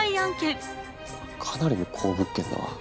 かなりの好物件だ。